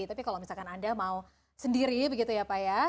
tapi kalau misalkan anda mau sendiri begitu ya pak ya